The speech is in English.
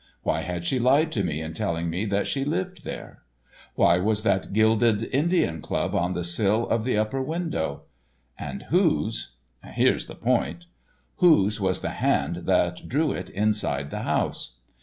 Why had she lied to me in telling me that she lived there? Why was that gilded Indian club on the sill of the upper window? And whose—here's a point—whose was the hand that drew it inside the house?